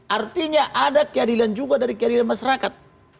artinya ada kehadilan juga dari kehadilan masyarakat